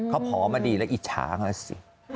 เขาผอมมาดีแล้วอิจฉางแล้วสิ